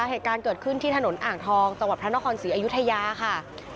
เหตุการณ์เกิดขึ้นที่ถนนอ่างทองจังหวัดพระนครศรีอยุธยาค่ะ